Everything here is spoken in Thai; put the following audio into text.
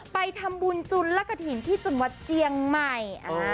ไปทำบุญจุนละกะถิ่นที่จุนวัดเจียงใหม่